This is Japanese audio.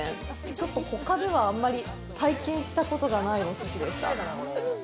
ちょっとほかではあんまり体験したことがないおすしでした。